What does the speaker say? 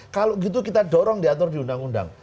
kalau gitu kita dorong diatur di undang undang